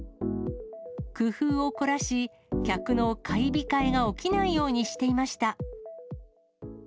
工夫を凝らし、客の買い控えが起きないようにしていました。